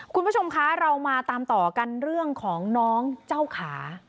คุณผู้ชมคะเรามาตามต่อกันเรื่องของน้องเจ้าขา